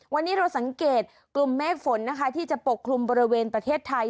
วันนี้เราสังเกตกลุ่มเมฆฝนนะคะที่จะปกคลุมบริเวณประเทศไทย